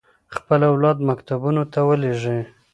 خپل اولاد مکتبونو ته ولېږي.